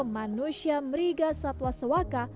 manusia meriga satwa sewaka